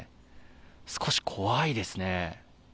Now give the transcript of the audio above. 少し、怖いですね。